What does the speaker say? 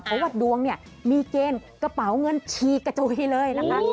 เพราะว่าดวงเนี่ยมีเกณฑ์กระเป๋าเงินชีกระจุยเลยนะคะ